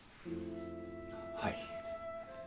はい。